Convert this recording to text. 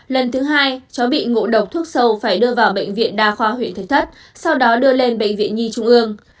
lần thứ hai cháu bị ngộ độc thuốc sâu phải đưa vào bệnh viện đa khoa huyện thạch thất sau đó đưa lên bệnh viện nhi trung ương